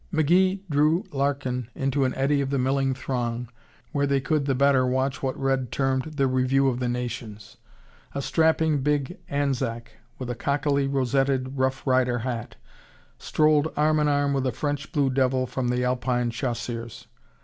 McGee drew Larkin into an eddy of the milling throng where they could the better watch what Red termed "the review of the nations." A strapping big Anzac, with a cockily rosetted Rough Rider hat, strolled arm in arm with a French Blue Devil from the Alpine Chasseurs.